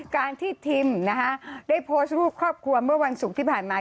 การที่ทิมได้โพสต์รูปครอบครัวเมื่อวันศุกร์ที่ผ่านมา